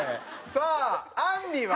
さああんりは？